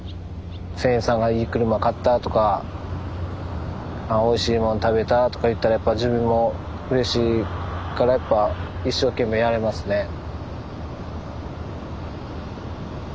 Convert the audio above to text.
船員さんがいい車買ったとかおいしいもん食べたとか言ったらやっぱ自分もうれしいからやっぱ一生懸命やれますね。